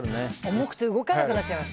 重くて動かなくなっちゃいます